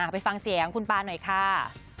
ไปฟังเสียงคุณปานหน่อยค่ะ